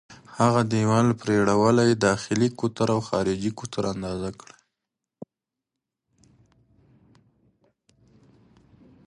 د هغه د دیوال پرېړوالی، داخلي قطر او خارجي قطر اندازه کړئ.